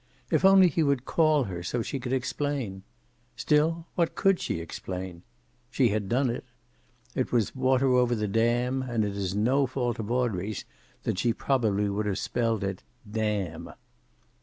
If only he would call her, so she could explain. Still, what could she explain? She had done it. It was water over the dam and it is no fault of Audrey's that she would probably have spelled it "damn."